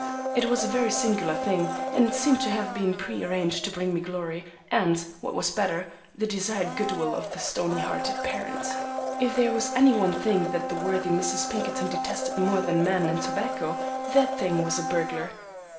It was a very singular thing, and it seemed to have been pre arranged to bring me glory, and, what was better, the desired goodwill of the "stony hearted parent." If there was any one thing that the worthy Mrs. Pinkerton detested more than men and tobacco, that thing was a burglar.